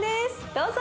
どうぞ！